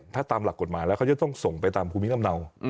ถ้าตามหลักกฎหมายแล้วเขาจะต้องส่งไปตามภูมิลำเนา